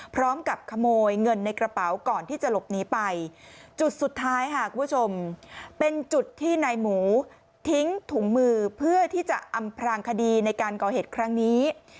พร้อมกับขโมยเงินในกระเป๋าก่อนที่จะหลบหนีไปจุดสุดท้ายค่ะคุณผู้ชมเป็นจุดที่นายหมูทิ้งถุงมือเพื่อที่จะอำพลางคดีในการก่อเหตุครั้งนี้